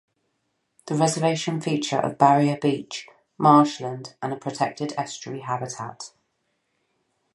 The reservation features of barrier beach, marshland, and a protected estuary habitat.